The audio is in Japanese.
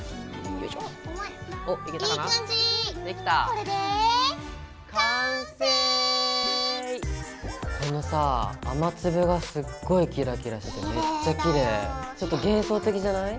このさ雨粒がすっごいキラキラしててめっちゃきれい！